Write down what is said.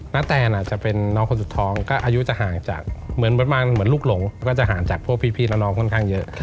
แตนจะเป็นน้องคนสุดท้องก็อายุจะห่างจากเหมือนประมาณเหมือนลูกหลงก็จะห่างจากพวกพี่น้องค่อนข้างเยอะ